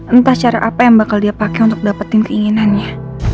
entah cara apa yang bakal dia pakai untuk dapetin keinginannya